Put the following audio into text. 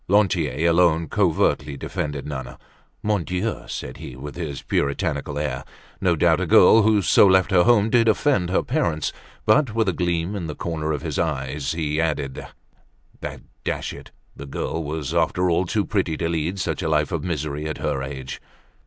Lantier alone covertly defended Nana. Mon Dieu! said he, with his puritanical air, no doubt a girl who so left her home did offend her parents; but, with a gleam in the corner of his eyes, he added that, dash it! the girl was, after all, too pretty to lead such a life of misery at her age.